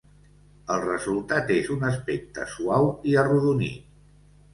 El resultat és un aspecte suau i arrodonit.